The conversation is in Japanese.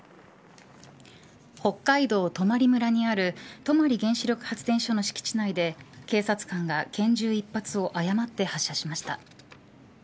北海道泊村にある泊原子力発電所の敷地内で警察官が拳銃１発を誤って発射しました。